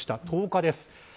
１０日です。